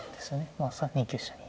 まあ３八飛車に。